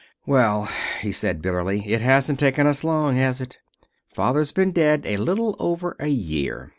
"Well," he said, bitterly, "it hasn't taken us long, has it? Father's been dead a little over a year.